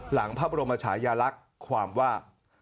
หลังพระบรมชายาลักษณ์ความว่า